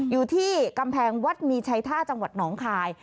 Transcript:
อยู่ที่กำแพงวัดมีชัยท่าจังหวัดหนองคาย